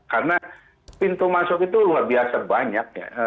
karena pintu masuk itu luar biasa banyak